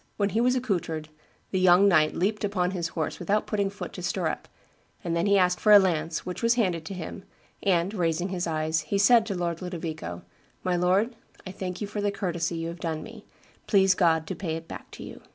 When he was accoutred, the young knight leaped upon his horse without putting foot to stirrup; then he asked for a lance, which was handed to him, and, raising his eyes, he said to Lord Ludovico, 'My lord, I thank you for the courtesy you have done me; please God to pay it back to you.